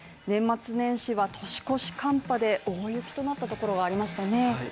年末年始は年越し寒波で大雪となったところはありましたね